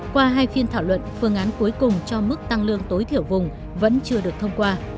qua hai phiên thảo luận phương án cuối cùng cho mức tăng lương tối thiểu vùng vẫn chưa được thông qua